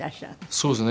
そうですね。